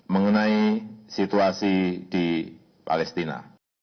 mengenai situasi di palestina